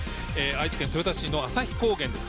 愛知県豊田市の旭高原です。